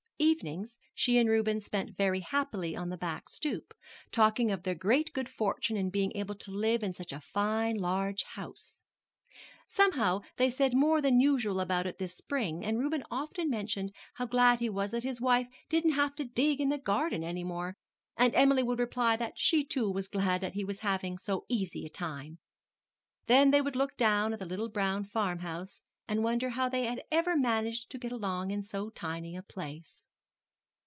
Evenings, she and Reuben spent very happily on the back stoop, talking of their great good fortune in being able to live in such a fine large house. Somehow they said more than usual about it this spring, and Reuben often mentioned how glad he was that his wife didn't have to dig in the garden any more; and Emily would reply that she, too, was glad that he was having so easy a time. Then they would look down at the little brown farmhouse and wonder how they ever managed to get along in so tiny a place.